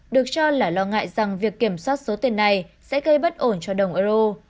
được cho là lo ngại rằng việc kiểm soát số tiền này sẽ gây bất ổn cho đồng euro